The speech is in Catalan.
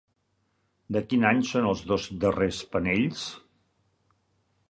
De quin any són els dos darrers panells?